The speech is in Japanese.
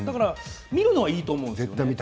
見るのはいいと思うんですよ。